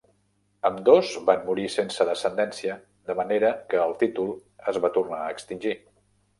Ambdós van morir sense descendència, de manera que el títol es va tornar a extingir.